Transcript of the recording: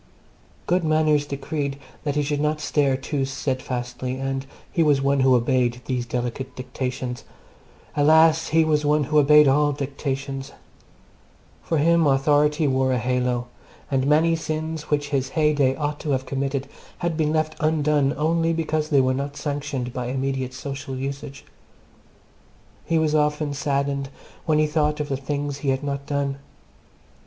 Good manners decreed that he should not stare too steadfastly, and he was one who obeyed these delicate dictations. Alas! he was one who obeyed all dictates. For him authority wore a halo, and many sins which his heyday ought to have committed had been left undone only because they were not sanctioned by immediate social usage. He was often saddened when he thought of the things he had not done.